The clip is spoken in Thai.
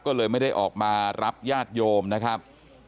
ก็เลยไม่ได้ออกมารับญาติโยมนะครับ